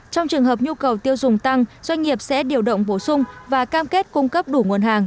trong trường hợp nhu cầu tiêu dùng tăng doanh nghiệp sẽ điều động bổ sung và cam kết cung cấp đủ nguồn hàng